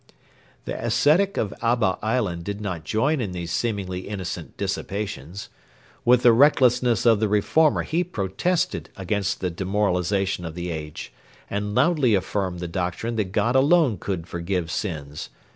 The ascetic of Abba island did not join in these seemingly innocent dissipations. With the recklessness of the reformer he protested against the demoralisation of the age, and loudly affirmed the doctrine that God alone could forgive sins.